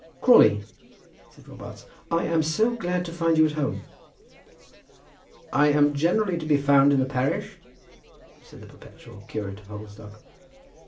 "Crawley," said Robarts, "I am so glad to find you at home." "I am generally to be found in the parish," said the perpetual curate of Hogglestock.